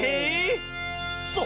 そう。